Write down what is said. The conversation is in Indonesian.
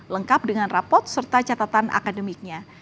lengkap dengan rapot serta catatan akademiknya